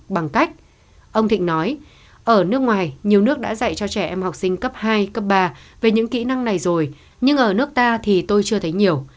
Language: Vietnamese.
bằng cách ông thịnh nói ở nước ngoài nhiều nước đã dạy cho trẻ em học sinh cấp hai cấp ba về những kỹ năng này rồi nhưng ở nước ta thì tôi chưa thấy nhiều